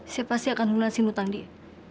saya pasti akan nulasi hutang dia